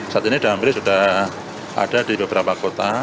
saat ini damri sudah ada di beberapa kota